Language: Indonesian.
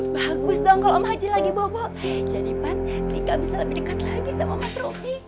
bos haji lagi bobo agak bisa diganggu bagus dong kalau haji lagi bobo jadi kan tika bisa lebih dekat lagi sama matromi